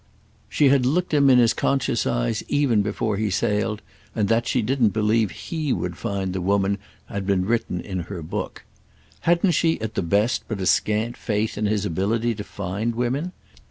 She had looked him in his conscious eyes even before he sailed, and that she didn't believe he would find the woman had been written in her book. Hadn't she at the best but a scant faith in his ability to find women?